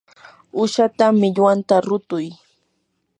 uushapa millwanta rutuy.